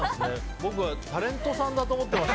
僕はタレントさんだと思っていました。